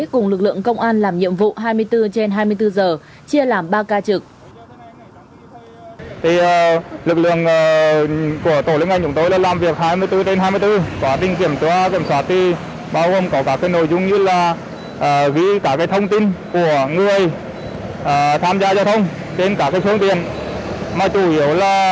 cùng lực lượng công an làm nhiệm vụ hai mươi bốn trên hai mươi bốn giờ